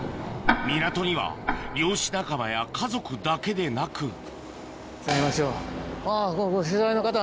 港には漁師仲間や家族だけでなく手伝いましょう。